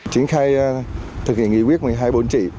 chiến khai thực hiện nghị quyết một mươi hai bốn trị